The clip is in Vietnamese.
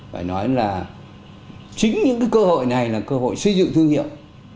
phải nói là chính những cái cơ hội này là cơ hội xây dựng thương hiệu